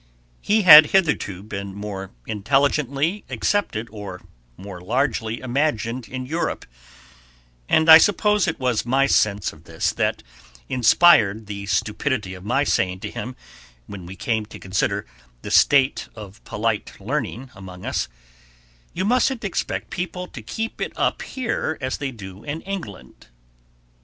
He had hitherto been more intelligently accepted or more largely imagined in Europe, and I suppose it was my sense of this that inspired the stupidity of my saying to him when we came to consider "the state of polite learning" among us, "You mustn't expect people to keep it up here as they do in England."